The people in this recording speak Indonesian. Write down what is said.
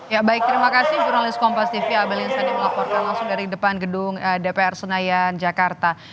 ya baik terima kasih jurnalis kompas tv abalinsadi melaporkan langsung dari depan gedung dpr senayan jakarta